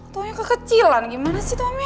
tommy kekecilan gimana sih tommy